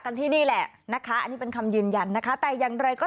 ที่นี่แหละนะคะอันนี้เป็นคำยืนยันนะคะแต่อย่างไรก็